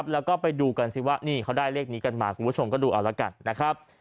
แล้วก็ไปดูกันสิว่านี่เขาได้เลขนี้กันมาคุณผู้ชมก็ดูเอาละกันนะครับ